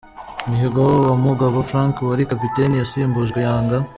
Mihigo wa Mugabo Frank wari kapiteni yasimbujwe yanga.